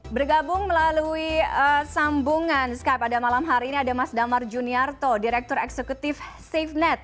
bergabung melalui sambungan skype pada malam hari ini ada mas damar juniarto direktur eksekutif safenet